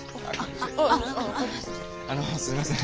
あのすいません。